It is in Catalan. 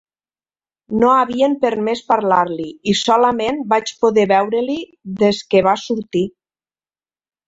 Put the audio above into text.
No havien permès parlar-li i solament vaig poder veure-li des que va sortir.